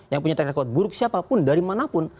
yang punya track record buruk siapapun dari manapun